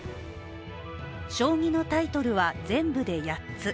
将棋のタイトルは全部で８つ。